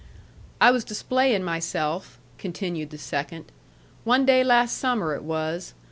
"I was displaying myself," continued the second. "One day last summer it was.